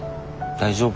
大丈夫。